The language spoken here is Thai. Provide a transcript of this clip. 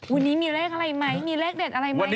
วันนี้มีเลขอะไรไหมมีเลขเด็ดอะไรไหม